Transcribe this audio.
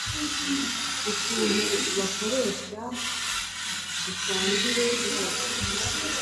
ukuntu bakoresha aDusangira nabashyitsi